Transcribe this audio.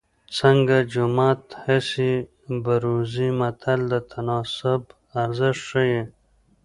څنګه جومات هسې بروزې متل د تناسب ارزښت ښيي